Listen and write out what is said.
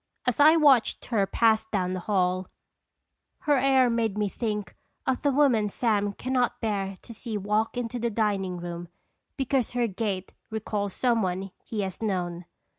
As I watched her pass down the hall, her air made me think of the woman Sam can not bear to see walk into the dining room, because her gait recalls some one he has known.